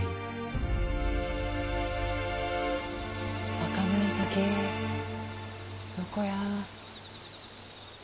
若紫どこや。